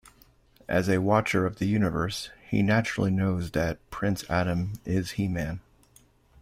As a watcher of the universe, he naturally knows that Prince Adam is He-Man.